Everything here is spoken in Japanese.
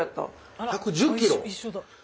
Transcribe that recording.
１１０キロ？